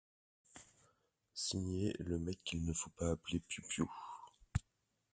Signé le mec qu'il ne faut pas appeler «PiouPiou.